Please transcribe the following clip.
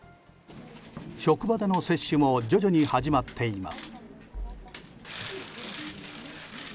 職場での接種も徐々に始まっています。